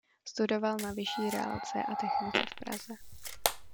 Studoval na vyšší reálce a technice v Praze.